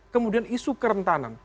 kemudian isu kerentanan